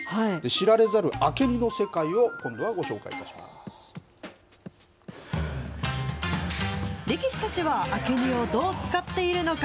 知られざる明け荷の世界を今度は力士たちは明け荷をどう使っているのか。